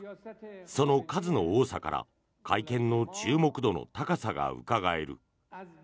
その数の多さから会見の注目度の高さがうかがえる。